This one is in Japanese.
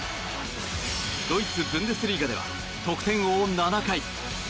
ドイツ、ブンデスリーガでは得点王７回。